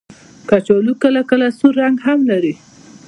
کچالو کله کله سور رنګ هم لري